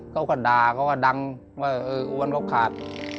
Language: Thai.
เขาก็ด่าเขาก็ดังว่าเอออ้วนเขาขาด